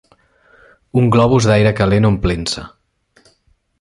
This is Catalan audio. Un globus d'aire calent omplint-se.